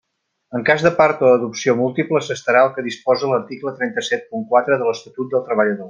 En cas de part o adopció múltiple s'estarà al que disposa l'article trenta-set punt quatre de l'Estatut del Treballador.